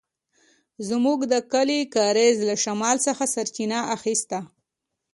زموږ د کلي کاریز له شمال څخه سرچينه اخيسته.